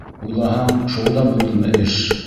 Уйлаһаң, шул да булдымы эш!